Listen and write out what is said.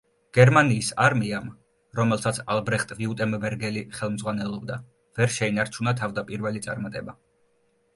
გერმანიის არმიამ, რომელსაც ალბრეხტ ვიუტემბერგელი ხელმძღვანელობდა ვერ შეინარჩუნა თავდაპირველი წარმატება.